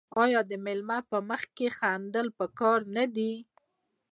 آیا د میلمه په مخ کې خندل پکار نه دي؟